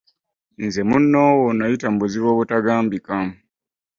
Nze munnoowo nayita mu buzibu obutabangawo.